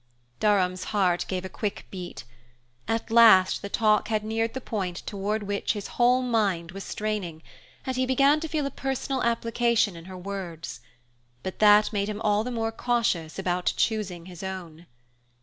Durham's heart gave a quick beat. At last the talk had neared the point toward which his whole mind was straining, and he began to feel a personal application in her words. But that made him all the more cautious about choosing his own.